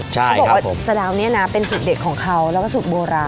ใช่ครับผมเขาบอกสะเดานี้นะเป็นสุขเด็กของเขาแล้วก็สุขโบราณ